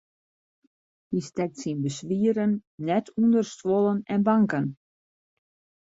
Hy stekt syn beswieren net ûnder stuollen en banken.